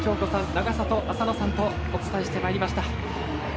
永里亜紗乃さんとお伝えしてまいりました。